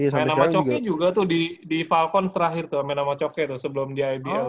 main nama coki juga tuh di falcon terakhir tuh main nama coke tuh sebelum di ibl